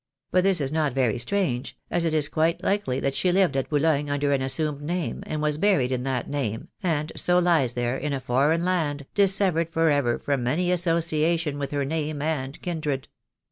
But this is not very strange, as it is quite likely that she lived at Boulogne under an assumed name, and was buried in that name, and so lies there, in a foreign land, dissevered for ever from any association with her name and kindred."